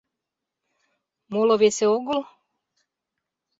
Моло-весе огыл?